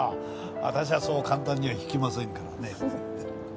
私はそう簡単には退きませんからね。